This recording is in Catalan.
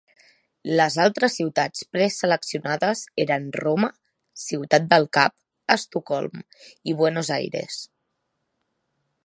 Les altres ciutats preseleccionades eren Roma, Ciutat del Cap, Estocolm i Buenos Aires.